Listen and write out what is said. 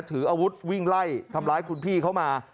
ถืออาวุธวิ่งไล่ทำร้ายคุณพี่เขามา